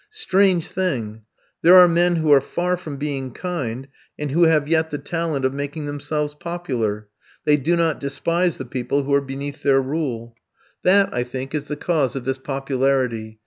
Strange thing! There are men who are far from being kind, and who have yet the talent of making themselves popular; they do not despise the people who are beneath their rule. That, I think, is the cause of this popularity.